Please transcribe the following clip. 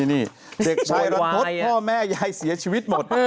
นี่เด็กชายรันทศพ่อแม่ยายเสียชีวิตหมด